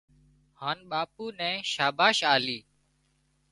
هانَ ٻاپو نين شاباس آلي